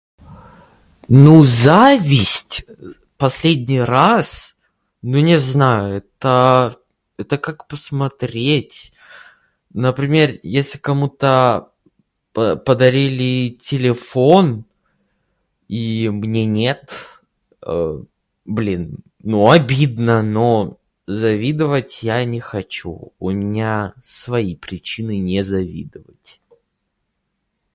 Ну, зависть, э, последний раз... ну, не знаю, это... это как посмотреть. Например, если кому-то по- подарили телефон и мне нет, э-э, блин, ну, обидно, но завидовать я не хочу. У меня свои причины не завидовать.